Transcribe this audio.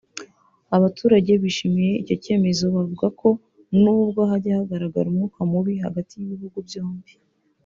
Abaturage bishimiye icyo cyemezo bavuga ko n’ubwo hajya hagaragara umwuka mubi hagati y’ibihugu byombi